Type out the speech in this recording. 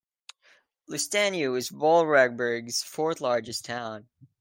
Lustenau is Vorarlberg's fourth largest town.